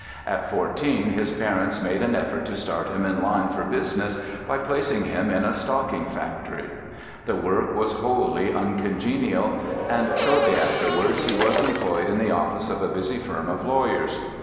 At fourteen his parents made an effort to start him in line for business by placing him in a stocking factory. The work was wholly uncongenial, and shortly afterward he was employed in the office of a busy firm of lawyers.